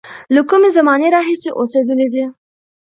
له کومې زمانې راهیسې اوسېدلی دی.